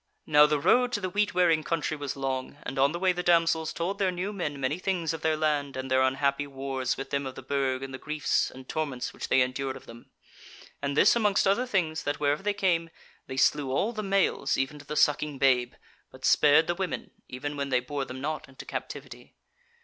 "Now the road to the Wheat wearing country was long, and on the way the damsels told their new men many things of their land and their unhappy wars with them of the Burg and the griefs and torments which they endured of them. And this amongst other things, that wherever they came, they slew all the males even to the sucking babe, but spared the women, even when they bore them not into captivity.